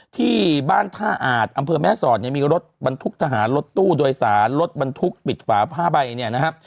ที่บ้านท่าอาจอำเภอแม่สอดเนี่ยมีรถบรรทุกทหารรถตู้โดยสารรถบรรทุกปิดฝาผ้าใบเนี่ยนะครับ